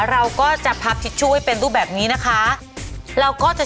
เราก็จะพับติชชูให้เป็นตั้งแบบนี้นะคะ